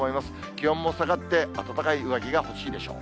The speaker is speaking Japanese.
気温も下がって、暖かい上着が欲しいでしょう。